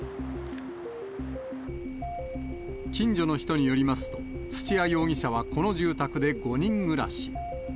近所の人によりますと、土屋容疑者はこの住宅で５人暮らし。